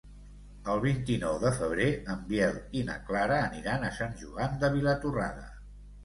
El vint-i-nou de febrer en Biel i na Clara aniran a Sant Joan de Vilatorrada.